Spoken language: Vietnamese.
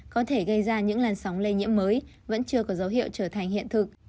có thể gây ra những làn sóng lây nhiễm mới vẫn chưa có dấu hiệu trở thành hiện thực